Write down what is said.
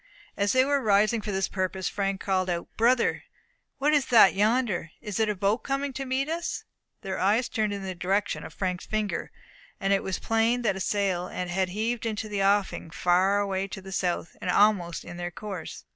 As they were rising for this purpose, Frank called out, "Brother, what is that yonder? Isn't it a boat coming to meet us?" Their eyes turned in the direction of Frank's finger and it was plain that a sail had heaved into the offing far away to the south, and almost in their course.